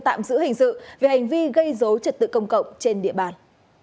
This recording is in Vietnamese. tạm giữ hình sự về hành vi gây dối trật tự công cộng trên địa bàn